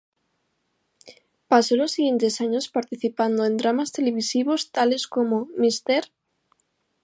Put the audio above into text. Pasó los siguientes años participando en dramas televisivos, tales como "Mr.